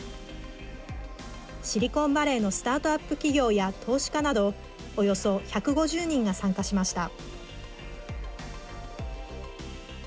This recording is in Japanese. シリコンバレーのスタートアップ企業や投資家などおよそ１５０人が参加しました。